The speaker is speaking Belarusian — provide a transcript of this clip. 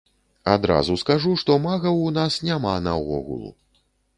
Адразу скажу, што магаў у нас няма наогул.